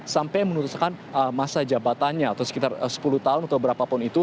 sampai memutuskan masa jabatannya atau sekitar sepuluh tahun atau berapapun itu